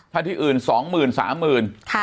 ถ้าที่อื่นสองหมื่นสามหมื่น